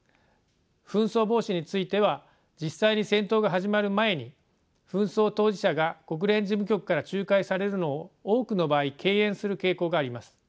紛争防止については実際に戦闘が始まる前に紛争当事者が国連事務局から仲介されるのを多くの場合敬遠する傾向があります。